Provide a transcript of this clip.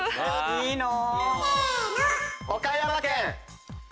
・いいな！